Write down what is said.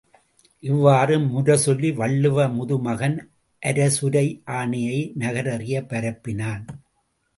இவ்வாறு முரசெறி வள்ளுவ முதுமகன் அரசுரை ஆணையை நகரறியப் பரப்பினான்.